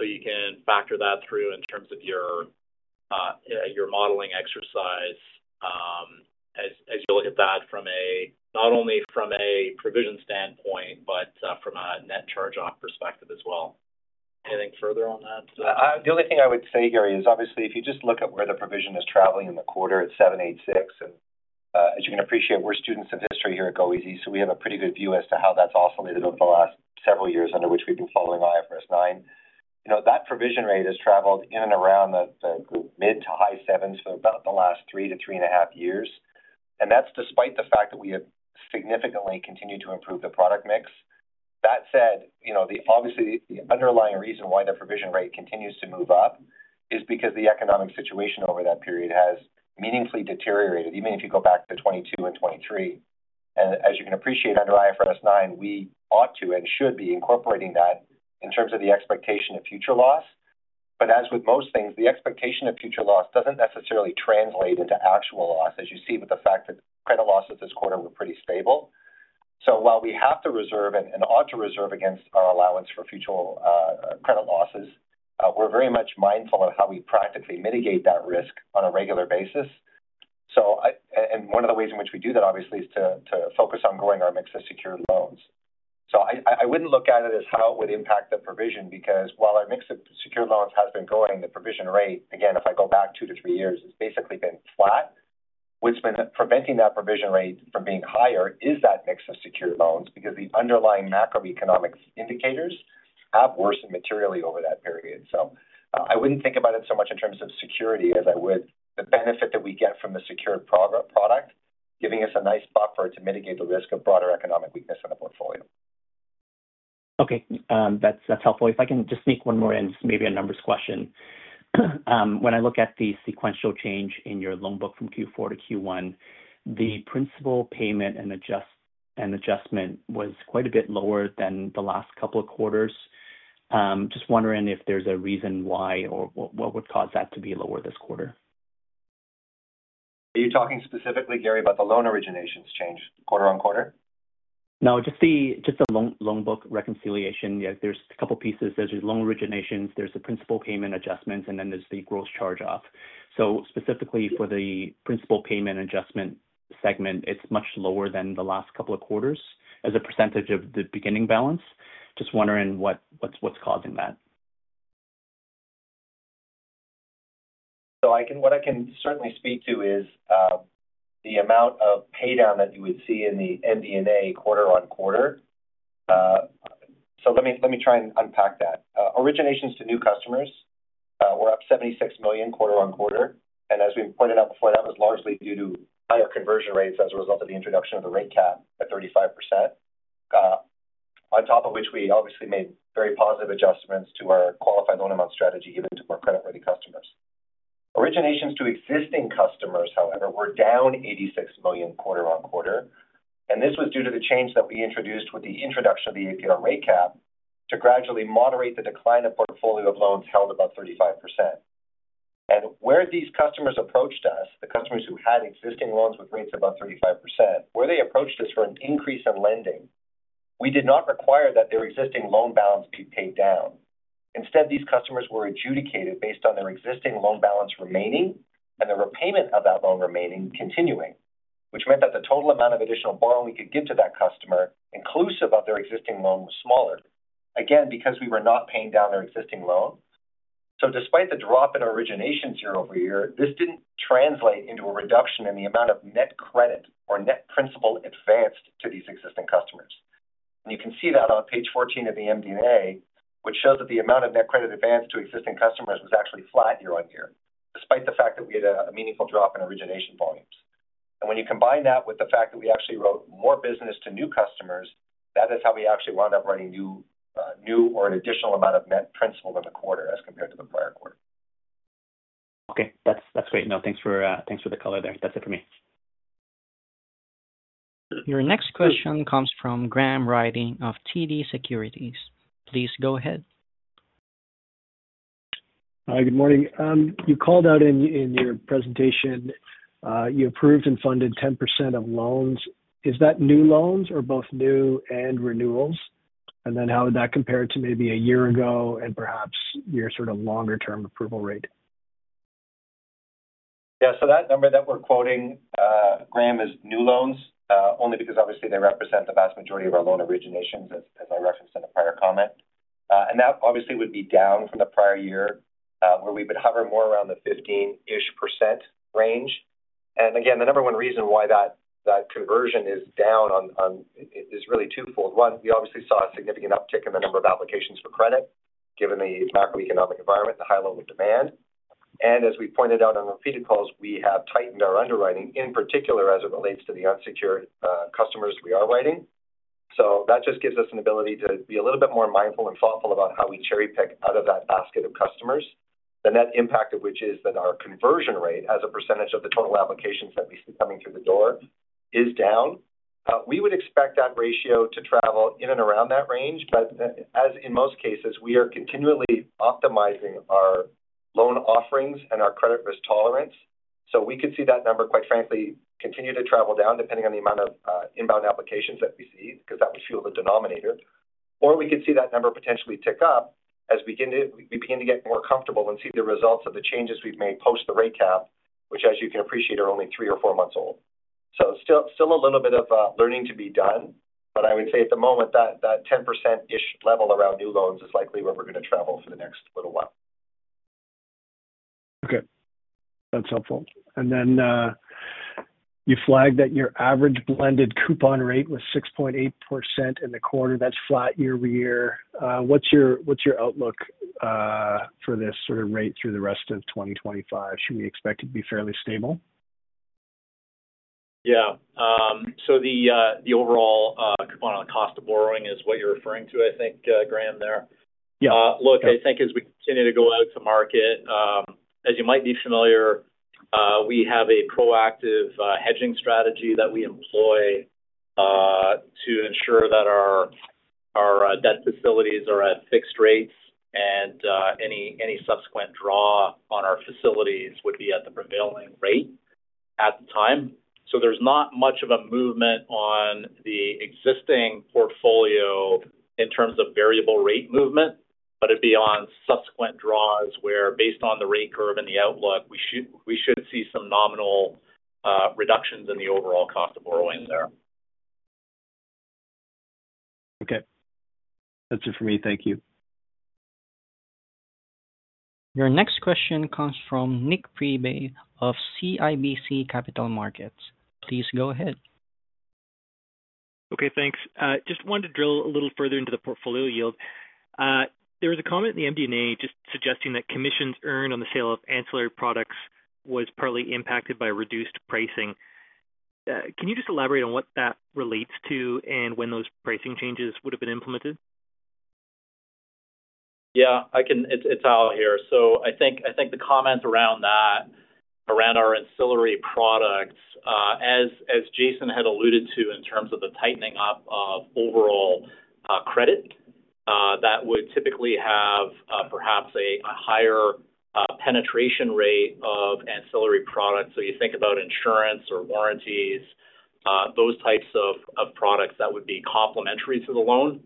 You can factor that through in terms of your modeling exercise as you look at that not only from a provision standpoint, but from a net charge-off perspective as well. Anything further on that? The only thing I would say, Gary, is obviously, if you just look at where the provision is traveling in the quarter, it's 7.86%. As you can appreciate, we're students of history here at goeasy, so we have a pretty good view as to how that's oscillated over the last several years under which we've been following IFRS 9. That provision rate has traveled in and around the mid to high 7s for about the last three to three and a half years. That's despite the fact that we have significantly continued to improve the product mix. That said, obviously, the underlying reason why the provision rate continues to move up is because the economic situation over that period has meaningfully deteriorated, even if you go back to 2022 and 2023. As you can appreciate, under IFRS 9, we ought to and should be incorporating that in terms of the expectation of future loss. As with most things, the expectation of future loss does not necessarily translate into actual loss, as you see with the fact that credit losses this quarter were pretty stable. While we have to reserve and ought to reserve against our allowance for future credit losses, we are very much mindful of how we practically mitigate that risk on a regular basis. One of the ways in which we do that, obviously, is to focus on growing our mix of secured loans. I would not look at it as how it would impact the provision because while our mix of secured loans has been growing, the provision rate, again, if I go back two to three years, it has basically been flat. What's been preventing that provision rate from being higher is that mix of secured loans because the underlying macroeconomic indicators have worsened materially over that period. I wouldn't think about it so much in terms of security as I would the benefit that we get from the secured product, giving us a nice buffer to mitigate the risk of broader economic weakness in the portfolio. Okay. That's helpful. If I can just sneak one more in, maybe a numbers question. When I look at the sequential change in your loan book from Q4 to Q1, the principal payment and adjustment was quite a bit lower than the last couple of quarters. Just wondering if there's a reason why or what would cause that to be lower this quarter. Are you talking specifically, Gary, about the loan originations change quarter on quarter? No, just the loan book reconciliation. There's a couple of pieces. There's the loan originations, there's the principal payment adjustments, and then there's the gross charge-off. Specifically for the principal payment adjustment segment, it's much lower than the last couple of quarters as a percentage of the beginning balance. Just wondering what's causing that. What I can certainly speak to is the amount of paydown that you would see in the MD&A quarter on quarter. Let me try and unpack that. Originations to new customers were up 76 million quarter on quarter. As we pointed out before, that was largely due to higher conversion rates as a result of the introduction of the rate cap at 35%, on top of which we obviously made very positive adjustments to our qualified loan amount strategy given to more creditworthy customers. Originations to existing customers, however, were down 86 million quarter on quarter. This was due to the change that we introduced with the introduction of the APR rate cap to gradually moderate the decline of portfolio of loans held above 35%. Where these customers approached us, the customers who had existing loans with rates above 35%, where they approached us for an increase in lending, we did not require that their existing loan balance be paid down. Instead, these customers were adjudicated based on their existing loan balance remaining and the repayment of that loan remaining continuing, which meant that the total amount of additional borrowing we could give to that customer, inclusive of their existing loan, was smaller, again, because we were not paying down their existing loan. Despite the drop in originations year over year, this did not translate into a reduction in the amount of net credit or net principal advanced to these existing customers. You can see that on page 14 of the MD&A, which shows that the amount of net credit advanced to existing customers was actually flat year on year, despite the fact that we had a meaningful drop in origination volumes. When you combine that with the fact that we actually wrote more business to new customers, that is how we actually wound up writing new or an additional amount of net principal in the quarter as compared to the prior quarter. Okay. That's great. No, thanks for the color there. That's it for me. Your next question comes from Graham Ryding of TD Securities. Please go ahead. Hi. Good morning. You called out in your presentation you approved and funded 10% of loans. Is that new loans or both new and renewals? How would that compare to maybe a year ago and perhaps your sort of longer-term approval rate? Yeah. That number that we're quoting, Graham, is new loans only because, obviously, they represent the vast majority of our loan originations, as I referenced in the prior comment. That obviously would be down from the prior year where we would hover more around the 15% range. Again, the number one reason why that conversion is down is really twofold. One, we obviously saw a significant uptick in the number of applications for credit given the macroeconomic environment and the high level of demand. As we pointed out on repeated calls, we have tightened our underwriting, in particular as it relates to the unsecured customers we are writing. That just gives us an ability to be a little bit more mindful and thoughtful about how we cherry-pick out of that basket of customers, the net impact of which is that our conversion rate as a percentage of the total applications that we see coming through the door is down. We would expect that ratio to travel in and around that range. As in most cases, we are continually optimizing our loan offerings and our credit risk tolerance. We could see that number, quite frankly, continue to travel down depending on the amount of inbound applications that we see because that would fuel the denominator. We could see that number potentially tick up as we begin to get more comfortable and see the results of the changes we have made post the rate cap, which, as you can appreciate, are only three or four months old. Still a little bit of learning to be done. I would say at the moment, that 10%-ish level around new loans is likely where we're going to travel for the next little while. Okay. That's helpful. Then you flagged that your average blended coupon rate was 6.8% in the quarter. That's flat year over year. What's your outlook for this sort of rate through the rest of 2025? Should we expect it to be fairly stable? Yeah. So the overall coupon on cost of borrowing is what you're referring to, I think, Graham there. Yeah. Look, I think as we continue to go out to market, as you might be familiar, we have a proactive hedging strategy that we employ to ensure that our debt facilities are at fixed rates and any subsequent draw on our facilities would be at the prevailing rate at the time. There is not much of a movement on the existing portfolio in terms of variable rate movement, but it would be on subsequent draws where, based on the rate curve and the outlook, we should see some nominal reductions in the overall cost of borrowing there. Okay. That's it for me. Thank you. Your next question comes from Nik Priebe of CIBC Capital Markets. Please go ahead. Okay. Thanks. Just wanted to drill a little further into the portfolio yield. There was a comment in the MD&A just suggesting that commissions earned on the sale of ancillary products was partly impacted by reduced pricing. Can you just elaborate on what that relates to and when those pricing changes would have been implemented? Yeah. It's Hal here. I think the comment around our ancillary products, as Jason had alluded to in terms of the tightening up of overall credit, that would typically have perhaps a higher penetration rate of ancillary products. You think about insurance or warranties, those types of products that would be complementary to the loan.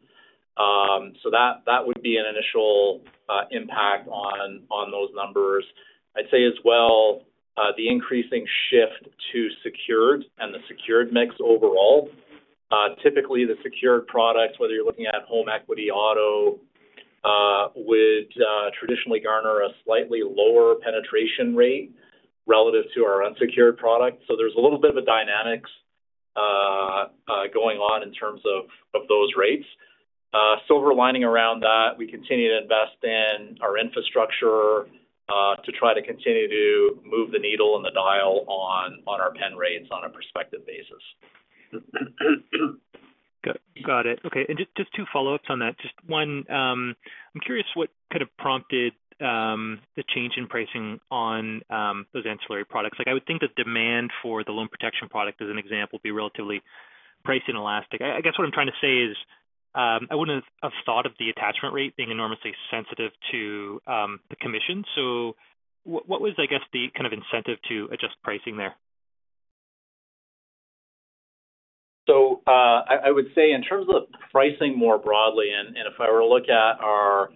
That would be an initial impact on those numbers. I'd say as well, the increasing shift to secured and the secured mix overall. Typically, the secured products, whether you're looking at home equity, auto, would traditionally garner a slightly lower penetration rate relative to our unsecured products. There's a little bit of a dynamics going on in terms of those rates. Silver lining around that, we continue to invest in our infrastructure to try to continue to move the needle and the dial on our pen rates on a prospective basis. Got it. Okay. Just two follow-ups on that. Just one, I'm curious what could have prompted the change in pricing on those ancillary products. I would think the demand for the loan protection product, as an example, would be relatively price-inelastic. I guess what I'm trying to say is I wouldn't have thought of the attachment rate being enormously sensitive to the commission. What was, I guess, the kind of incentive to adjust pricing there? I would say in terms of pricing more broadly, and if I were to look at our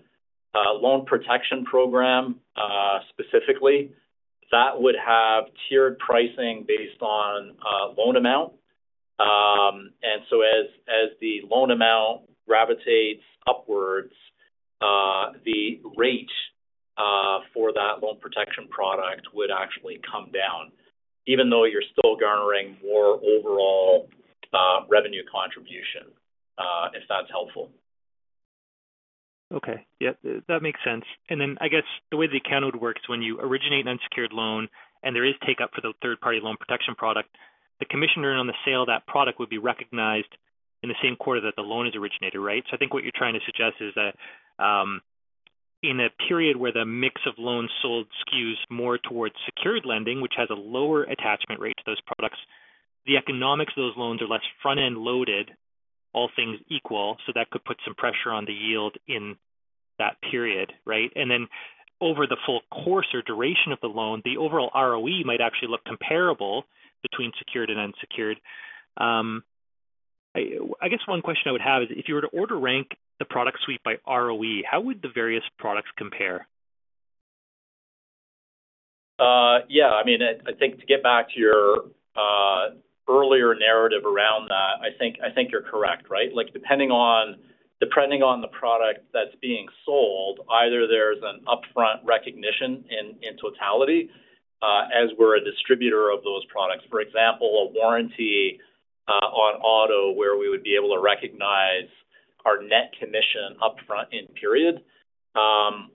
loan protection program specifically, that would have tiered pricing based on loan amount. As the loan amount gravitates upwards, the rate for that loan protection product would actually come down, even though you're still garnering more overall revenue contribution, if that's helpful. Okay. Yeah. That makes sense. I guess the way the account would work is when you originate an unsecured loan and there is take-up for the third-party loan protection product, the commission earned on the sale of that product would be recognized in the same quarter that the loan is originated, right? I think what you're trying to suggest is that in a period where the mix of loans sold skews more towards secured lending, which has a lower attachment rate to those products, the economics of those loans are less front-end loaded, all things equal, so that could put some pressure on the yield in that period, right? Over the full course or duration of the loan, the overall ROE might actually look comparable between secured and unsecured. I guess one question I would have is if you were to order rank the product suite by ROE, how would the various products compare? Yeah. I mean, I think to get back to your earlier narrative around that, I think you're correct, right? Depending on the product that's being sold, either there's an upfront recognition in totality as we're a distributor of those products. For example, a warranty on auto where we would be able to recognize our net commission upfront in period.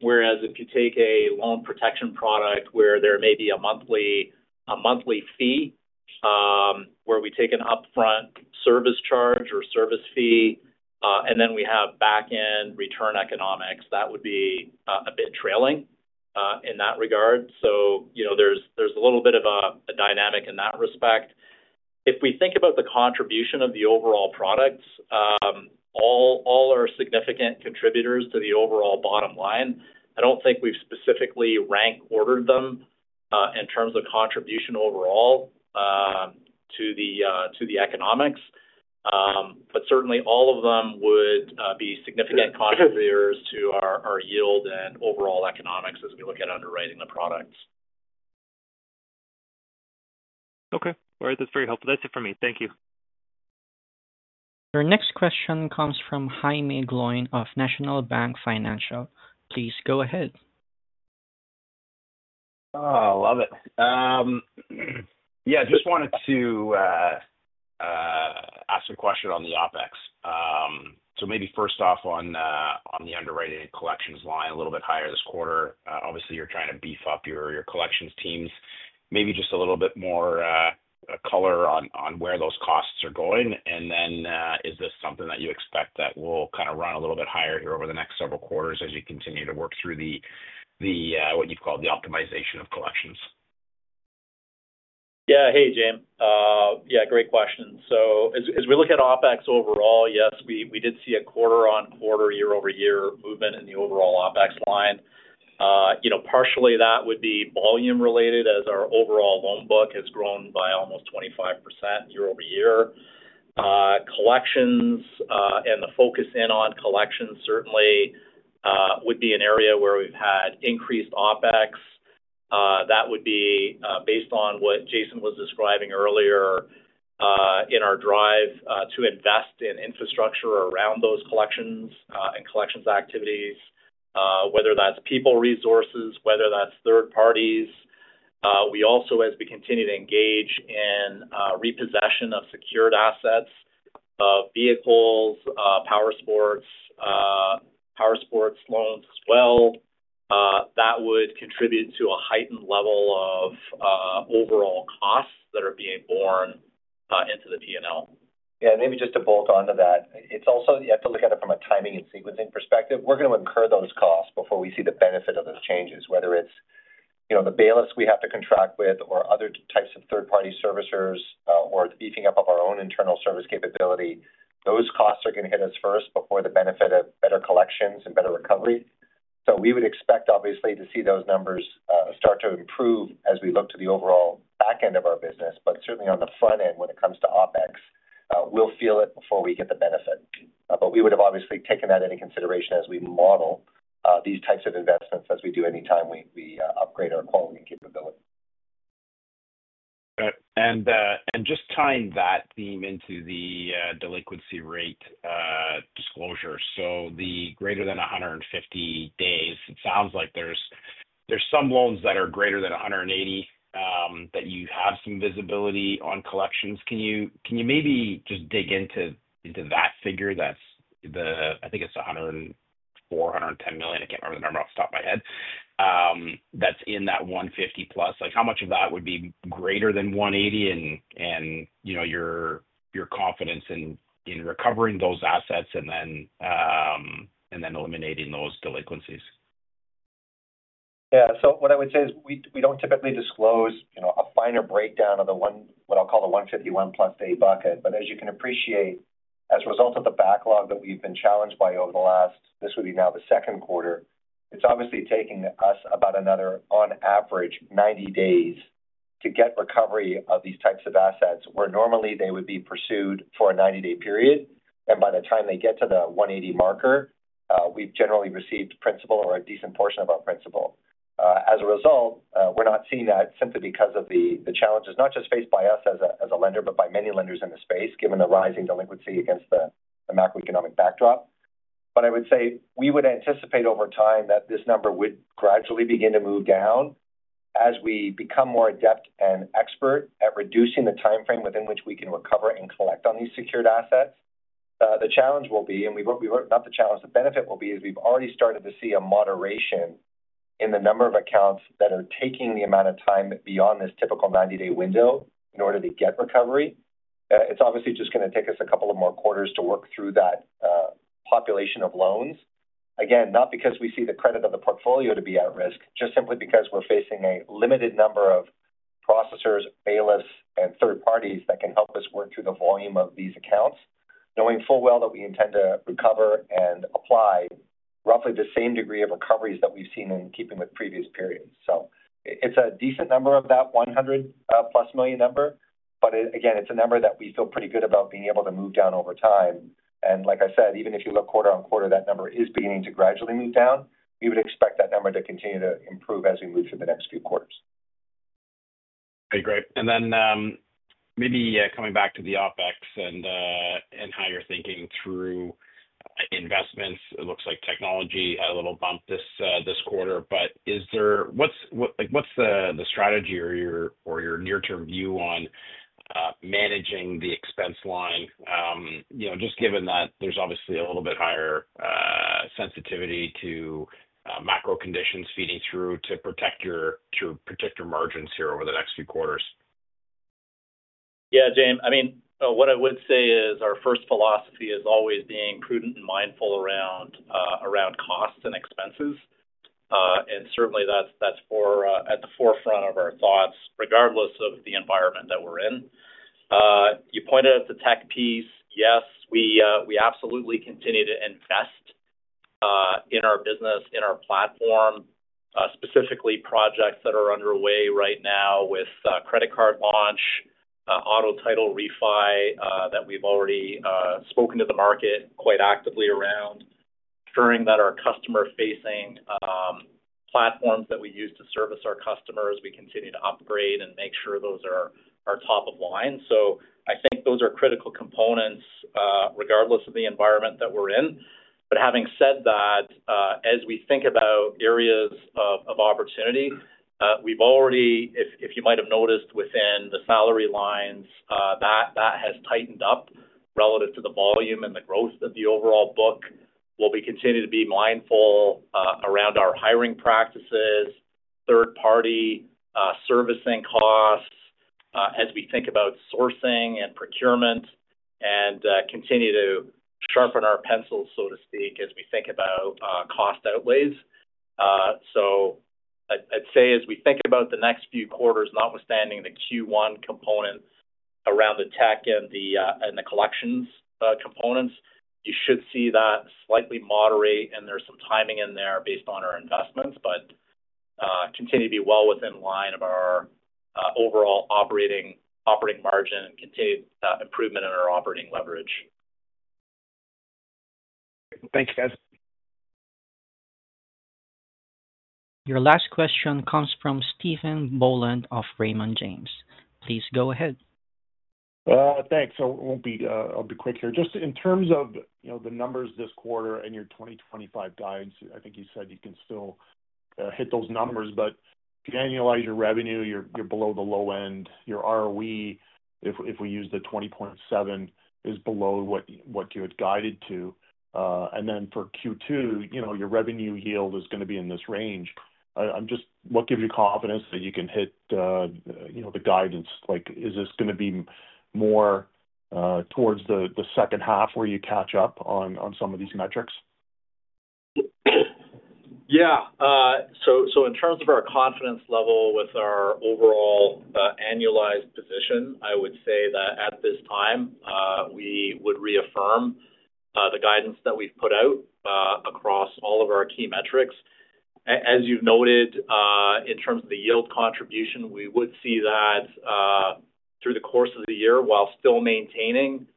Whereas if you take a loan protection product where there may be a monthly fee where we take an upfront service charge or service fee, and then we have back-end return economics, that would be a bit trailing in that regard. There is a little bit of a dynamic in that respect. If we think about the contribution of the overall products, all are significant contributors to the overall bottom line. I don't think we've specifically rank-ordered them in terms of contribution overall to the economics. Certainly, all of them would be significant contributors to our yield and overall economics as we look at underwriting the products. Okay. All right. That's very helpful. That's it for me. Thank you. Your next question comes from Jaeme Gloyn of National Bank Financial. Please go ahead. Oh, I love it. Yeah. Just wanted to ask a question on the OpEx. Maybe first off on the underwriting collections line, a little bit higher this quarter. Obviously, you're trying to beef up your collections teams. Maybe just a little bit more color on where those costs are going. Is this something that you expect that will kind of run a little bit higher here over the next several quarters as you continue to work through what you've called the optimization of collections? Yeah. Hey, Jaeme. Yeah. Great question. As we look at OpEx overall, yes, we did see a quarter-on-quarter, year-over-year movement in the overall OpEx line. Partially, that would be volume-related as our overall loan book has grown by almost 25% year-over-year. Collections and the focus in on collections certainly would be an area where we've had increased OpEx. That would be based on what Jason was describing earlier in our drive to invest in infrastructure around those collections and collections activities, whether that's people resources, whether that's third parties. We also, as we continue to engage in repossession of secured assets of vehicles, power sports, power sports loans as well, that would contribute to a heightened level of overall costs that are being borne into the P&L. Yeah. Maybe just to bolt onto that, it's also you have to look at it from a timing and sequencing perspective. We're going to incur those costs before we see the benefit of those changes, whether it's the bailiffs we have to contract with or other types of third-party servicers or the beefing up of our own internal service capability. Those costs are going to hit us first before the benefit of better collections and better recovery. We would expect, obviously, to see those numbers start to improve as we look to the overall back end of our business. Certainly, on the front end, when it comes to OpEx, we'll feel it before we get the benefit. We would have obviously taken that into consideration as we model these types of investments as we do anytime we upgrade our quality and capability. Okay. Just tying that theme into the delinquency rate disclosure. The greater than 150 days, it sounds like there are some loans that are greater than 180 that you have some visibility on collections. Can you maybe just dig into that figure? I think it is 104 million, 110 million. I cannot remember the number off the top of my head that is in that 150-plus. How much of that would be greater than 180 and your confidence in recovering those assets and then eliminating those delinquencies? Yeah. What I would say is we do not typically disclose a finer breakdown of what I will call the 151-plus-day bucket. As you can appreciate, as a result of the backlog that we have been challenged by over the last—this would be now the second quarter—it is obviously taking us about another, on average, 90 days to get recovery of these types of assets where normally they would be pursued for a 90-day period. By the time they get to the 180 marker, we have generally received principal or a decent portion of our principal. As a result, we are not seeing that simply because of the challenges not just faced by us as a lender, but by many lenders in the space, given the rising delinquency against the macroeconomic backdrop. I would say we would anticipate over time that this number would gradually begin to move down as we become more adept and expert at reducing the timeframe within which we can recover and collect on these secured assets. The challenge will be—not the challenge. The benefit will be as we've already started to see a moderation in the number of accounts that are taking the amount of time beyond this typical 90-day window in order to get recovery. It's obviously just going to take us a couple of more quarters to work through that population of loans. Again, not because we see the credit of the portfolio to be at risk, just simply because we're facing a limited number of processors, bailiffs, and third parties that can help us work through the volume of these accounts, knowing full well that we intend to recover and apply roughly the same degree of recoveries that we've seen in keeping with previous periods. It is a decent number of that 100 million-plus number. Again, it is a number that we feel pretty good about being able to move down over time. Like I said, even if you look quarter on quarter, that number is beginning to gradually move down. We would expect that number to continue to improve as we move through the next few quarters. Okay. Great. Maybe coming back to the OpEx and how you're thinking through investments. It looks like technology had a little bump this quarter. What's the strategy or your near-term view on managing the expense line? Just given that there's obviously a little bit higher sensitivity to macro conditions feeding through to protect your margins here over the next few quarters. Yeah, Jaeme. I mean, what I would say is our first philosophy is always being prudent and mindful around costs and expenses. Certainly, that's at the forefront of our thoughts, regardless of the environment that we're in. You pointed out the tech piece. Yes, we absolutely continue to invest in our business, in our platform, specifically projects that are underway right now with credit card launch, auto title refi that we've already spoken to the market quite actively around, ensuring that our customer-facing platforms that we use to service our customers, we continue to upgrade and make sure those are top of line. I think those are critical components regardless of the environment that we're in. Having said that, as we think about areas of opportunity, we've already—if you might have noticed within the salary lines—that has tightened up relative to the volume and the growth of the overall book. We'll continue to be mindful around our hiring practices, third-party servicing costs as we think about sourcing and procurement, and continue to sharpen our pencils, so to speak, as we think about cost outlays. I'd say as we think about the next few quarters, notwithstanding the Q1 component around the tech and the collections components, you should see that slightly moderate. There's some timing in there based on our investments, but continue to be well within line of our overall operating margin and continue improvement in our operating leverage. Thanks, guys. Your last question comes from Stephen Boland of Raymond James. Please go ahead. Thanks. I'll be quick here. Just in terms of the numbers this quarter and your 2025 guidance, I think you said you can still hit those numbers. If you annualize your revenue, you're below the low end. Your ROE, if we use the 20.7%, is below what you had guided to. For Q2, your revenue yield is going to be in this range. What gives you confidence that you can hit the guidance? Is this going to be more towards the second half where you catch up on some of these metrics? Yeah. In terms of our confidence level with our overall annualized position, I would say that at this time, we would reaffirm the guidance that we've put out across all of our key metrics. As you've noted, in terms of the yield contribution, we would see that through the course of the year while still maintaining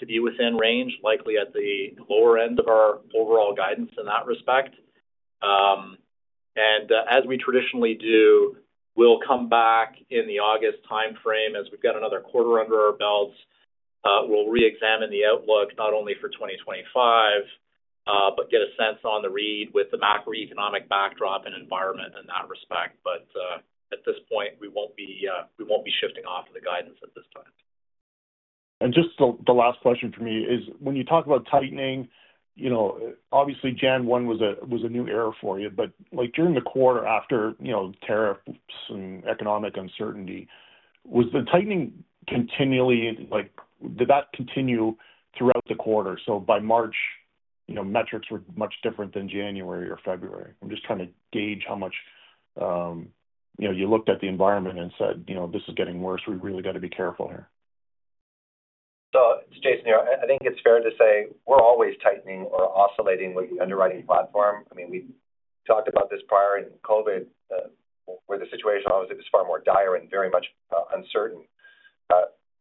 to be within range, likely at the lower end of our overall guidance in that respect. As we traditionally do, we'll come back in the August timeframe as we've got another quarter under our belts. We'll reexamine the outlook not only for 2025, but get a sense on the read with the macroeconomic backdrop and environment in that respect. At this point, we won't be shifting off of the guidance at this time. Just the last question for me is when you talk about tightening, obviously, January 1 was a new era for you. During the quarter after tariffs and economic uncertainty, was the tightening continual—did that continue throughout the quarter? By March, were metrics much different than January or February? I'm just trying to gauge how much you looked at the environment and said, "This is getting worse. We really got to be careful here. Stephen, I think it's fair to say we're always tightening or oscillating with the underwriting platform. I mean, we talked about this prior in COVID where the situation obviously was far more dire and very much uncertain.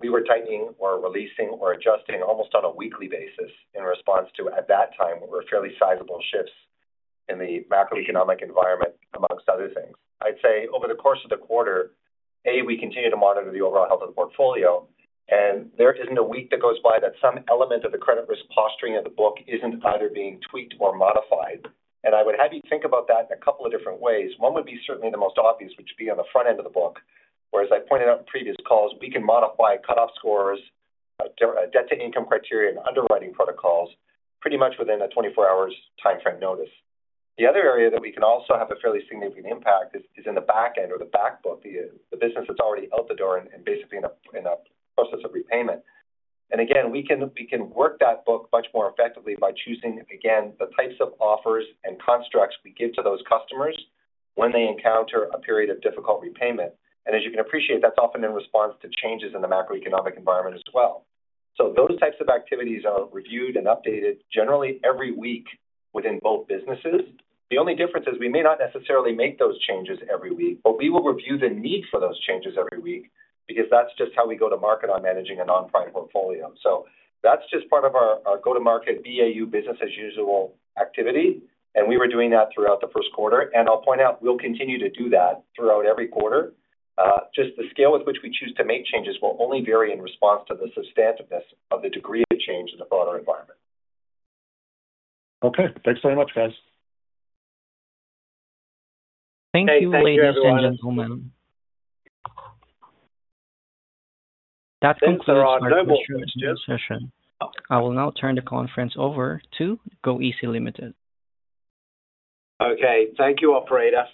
We were tightening or releasing or adjusting almost on a weekly basis in response to, at that time, were fairly sizable shifts in the macroeconomic environment amongst other things. I'd say over the course of the quarter, A, we continue to monitor the overall health of the portfolio. There isn't a week that goes by that some element of the credit risk posturing of the book isn't either being tweaked or modified. I would have you think about that in a couple of different ways. One would be certainly the most obvious, which would be on the front end of the book. Whereas I pointed out in previous calls, we can modify cut-off scores, debt-to-income criteria, and underwriting protocols pretty much within a 24-hour timeframe notice. The other area that we can also have a fairly significant impact is in the back end or the back book, the business that's already out the door and basically in a process of repayment. Again, we can work that book much more effectively by choosing, again, the types of offers and constructs we give to those customers when they encounter a period of difficult repayment. As you can appreciate, that's often in response to changes in the macroeconomic environment as well. Those types of activities are reviewed and updated generally every week within both businesses. The only difference is we may not necessarily make those changes every week, but we will review the need for those changes every week because that's just how we go to market on managing a non-prime portfolio. That's just part of our go-to-market BAU business as usual activity. We were doing that throughout the first quarter. I'll point out we'll continue to do that throughout every quarter. The scale with which we choose to make changes will only vary in response to the substantiveness of the degree of change in the broader environment. Okay. Thanks very much, guys. Thank you, ladies and gentlemen. That concludes our virtual session. I will now turn the conference over to goeasy Limited. Okay. Thank you, Operator.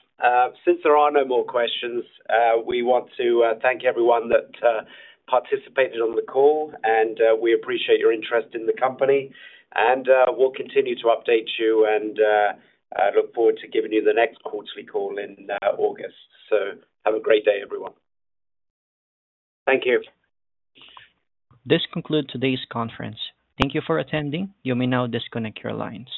Since there are no more questions, we want to thank everyone that participated on the call. We appreciate your interest in the company. We will continue to update you and look forward to giving you the next quarterly call in August. Have a great day, everyone. Thank you. This concludes today's conference. Thank you for attending. You may now disconnect your lines.